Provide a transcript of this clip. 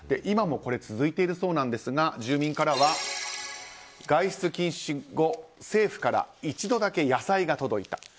今も続いているそうなんですが住民からは、外出禁止後政府から一度だけ野菜が届いた。